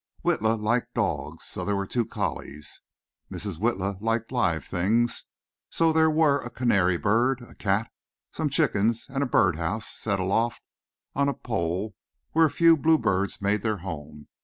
Witla liked dogs, so there were two collies. Mrs. Witla liked live things, so there were a canary bird, a cat, some chickens, and a bird house set aloft on a pole where a few blue birds made their home.